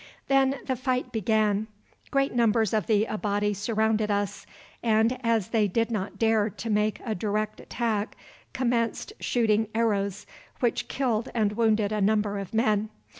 Then the fight began. Great numbers of the Abati surrounded us and, as they did not dare to make a direct attack, commenced shooting arrows, which killed and wounded a number of men.